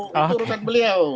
itu urusan beliau